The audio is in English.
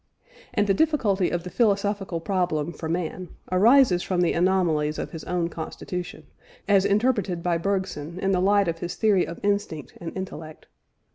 And the difficulty of the philosophical problem for man arises from the anomalies of his own constitution (as interpreted by Bergson in the light of his theory of instinct and intellect).